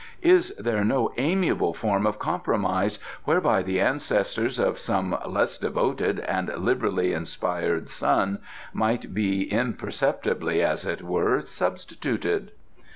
Is there no amiable form of compromise whereby the ancestors of some less devoted and liberally inspired son might be imperceptibly, as it were, substituted?"